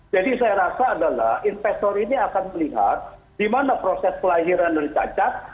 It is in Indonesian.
jadi saya rasa adalah investor ini akan melihat dimana proses kelahiran tercacat